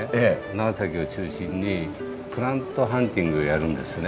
長崎を中心にプラントハンティングやるんですね。